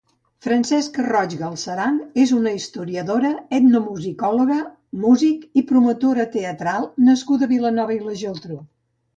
Francesca Roig Galceran és una historiadora, etnomusicòloga, músic i promotora teatral nascuda a Vilanova i la Geltrú.